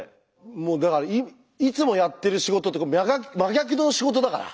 もうだからいつもやってる仕事と真逆の仕事だから。